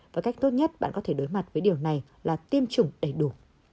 và cách tốt nhất bạn có thể đối mặt với điều này là tiêm chủng đầy đủ